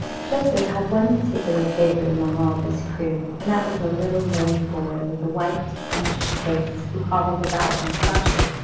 Joseph had one particular favourite among all this crew, and that was a little lame boy with a white, pinched face, who hobbled about on crutches.